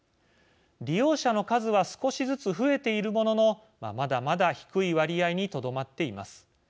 利用者の数は少しずつ増えているもののまだまだ低い割合にとどまっています。